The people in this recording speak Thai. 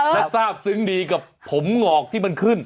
และทราบซึ้งดีกับผมหงอกที่มันขึ้น